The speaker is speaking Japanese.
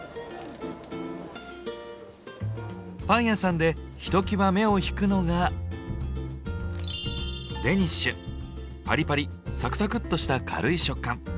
パン屋さんでひときわ目を引くのがパリパリサクサクッとした軽い食感。